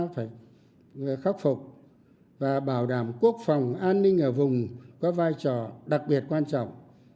phải khắc phục và bảo đảm quốc phòng an ninh ở vùng có vai trò đặc biệt quan trọng